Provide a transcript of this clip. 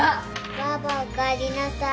ばあばおかえりなさい。